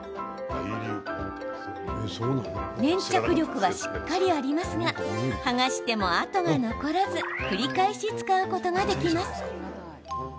粘着力はしっかりありますが剥がしても跡が残らず繰り返し使うことができます。